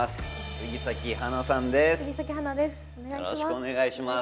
杉咲花さんです